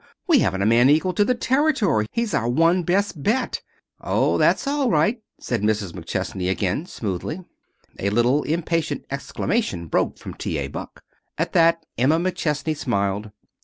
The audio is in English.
We haven't a man equal to the territory. He's our one best bet." "Oh, that's all right," said Mrs. McChesney again, smoothly. A little impatient exclamation broke from T. A. Buck. At that Emma McChesney smiled.